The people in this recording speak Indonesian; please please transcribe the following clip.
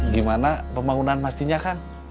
gimana pembangunan masjidnya kang